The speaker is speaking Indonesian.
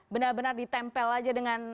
benar benar ditempel aja dengan